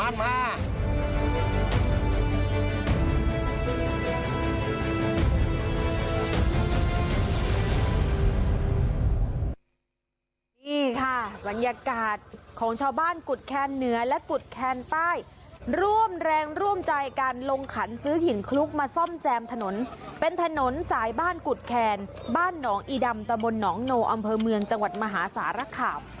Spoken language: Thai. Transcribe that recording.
นี่ค่ะบรรยากาศของชาวบ้านกุฎแคนเหนือและกุฎแคนใต้ร่วมแรงร่วมใจกันลงขันซื้อหินคลุกมาซ่อมแซมถนนเป็นถนนสายบ้านกุฎแคนบ้านหนองอีดำตะบนหนองโนอำเภอเมืองจังหวัดมหาสารคาม